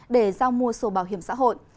để giao mua sổ bảo hiểm xã hội